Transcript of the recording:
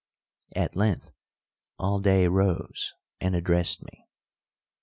At length Alday rose and addressed me.